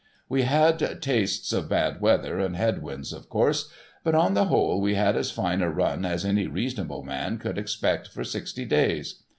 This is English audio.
We had tastes of bad weather and head winds, of course ; but, on the whole we had as fine a run as any reasonable man could expect, for sixty days.